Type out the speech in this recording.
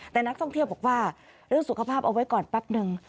แต่นักท่องเที่ยวบอกว่าเรื่องสุขภาพเอาไว้ก่อนแป๊บนึง